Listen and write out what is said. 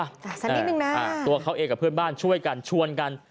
สักนิดนึงนะตัวเขาเองกับเพื่อนบ้านช่วยกันชวนกัน